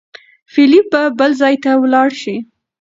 فېلېپ به بل ځای ته ولاړ شي.